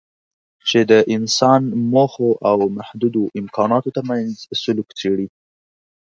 چې د انسان موخو او محدودو امکاناتو ترمنځ سلوک څېړي.